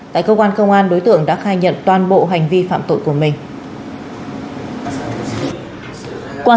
tại cơ quan công an đối tượng đã khai nhận toàn bộ hành vi phạm tội của mình